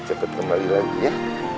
cepat kembali lagi ya